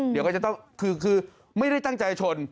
เดี๋ยวก็จะต้องคือไม่ได้ตั้งใจชน